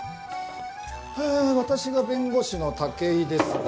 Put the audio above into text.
私が弁護士の武井ですが。